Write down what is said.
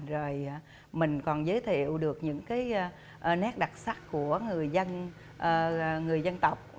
rồi mình còn giới thiệu được những nét đặc sắc của người dân tộc